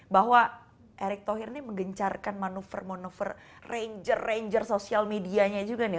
bahwa erick thohir ini menggencarkan manuver manuver ranger ranger sosial medianya juga nih